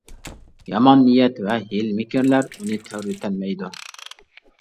يامان نىيەت ۋە ھىيلە-مىكىرلەر ئۇنى تەۋرىتەلمەيدۇ.